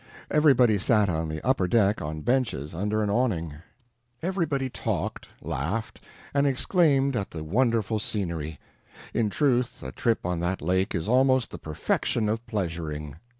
Everybody sat on the upper deck, on benches, under an awning; everybody talked, laughed, and exclaimed at the wonderful scenery; in truth, a trip on that lake is almost the perfection of pleasuring.